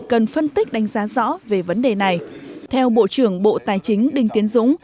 cần phân tích đánh giá rõ về vấn đề này theo bộ trưởng bộ tài chính đinh tiến dũng